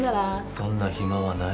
そんな暇はない